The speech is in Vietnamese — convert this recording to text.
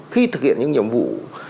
khi thực hiện những nhiệm vụ